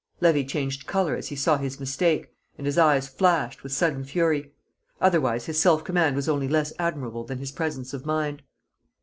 Levy changed colour as he saw his mistake, and his eyes flashed with sudden fury; otherwise his self command was only less admirable than his presence of mind.